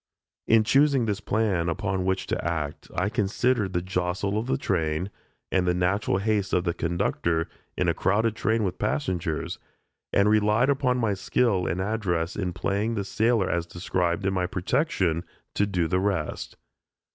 In choosing this plan upon which to act, I considered the jostle of the train, and the natural haste of the conductor, in a train crowded with passengers, and relied upon my skill and address in playing the sailor as described in my protection, to do the rest.